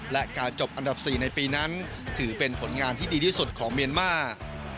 และการจบอันดับ๔ในปีนั้นถือเป็นผลงานที่ดีที่สุดของเมียนมาร์